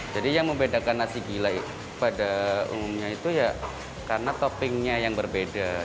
yang membedakan nasi gila pada umumnya itu ya karena toppingnya yang berbeda